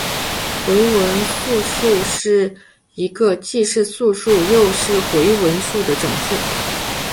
回文素数是一个既是素数又是回文数的整数。